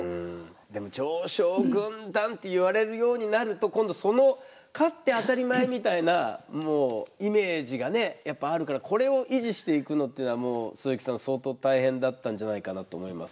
でも常勝軍団っていわれるようになると今度その勝って当たり前みたいなイメージがねやっぱあるからこれを維持していくのっていうのはもう鈴木さん相当大変だったんじゃないかなと思いますが。